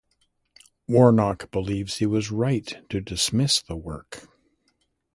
Warnock believes he was right to dismiss the work.